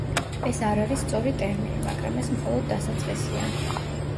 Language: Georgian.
ეს არ არის სწორი ტერმინი, მაგრამ ეს მხოლოდ დასაწყისია.